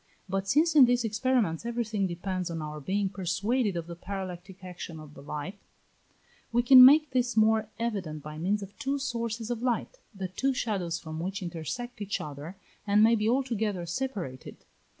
But since in these experiments everything depends on our being persuaded of the parallactic action of the light, we can make this more evident by means of two sources of light, the two shadows from which intersect each other, and may be altogether separated.